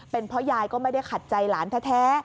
เป็นเพราะยายก็ไม่ได้ขัดใจหลานแท้